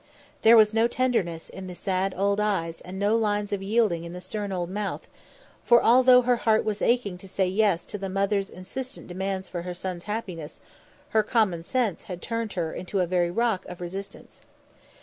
There was no tenderness in the sad old eyes and no lines of yielding in the stern old mouth; for although her heart was aching to say yes to the mother's insistent demands for her son's happiness, her common sense had turned her into a very rock of resistance.